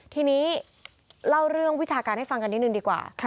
ทีนี้เล่าเรื่องวิชาการให้ฟังกันนิดนึงดีกว่า